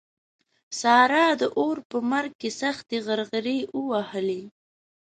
سارا د اور په مرګ کې سختې غرغړې ووهلې.